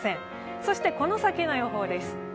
そしてこの先の予報です。